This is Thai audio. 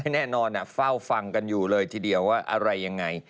แน่นอนเฝ้าฟังกันอยู่เลยทีเดียวว่าอะไรยังไง